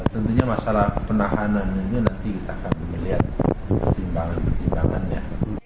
tentunya masalah penahanannya